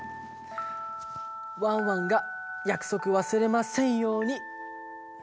ワンワンがやくそくわすれませんように。